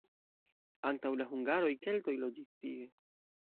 Antaŭ la hungaroj keltoj loĝis tie.